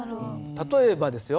例えばですよ